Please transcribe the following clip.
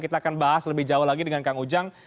kita akan bahas lebih jauh lagi dengan kang ujang